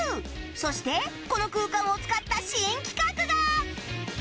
そしてこの空間を使った新企画が